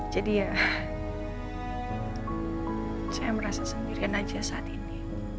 jadi ya saya merasa sendirian aja saat ini